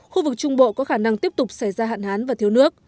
khu vực trung bộ có khả năng tiếp tục xảy ra hạn hán và thiếu nước